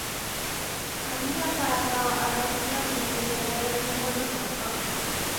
髪やからだを洗い清めて、けがれを取り除くこと。